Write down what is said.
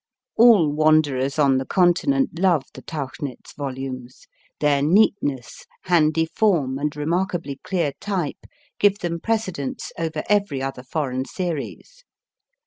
All wanderers on the Continent love the * Tauchnitz volumes their neat ness, handy form, and remarkably clear type give them precedence over every other foreign series.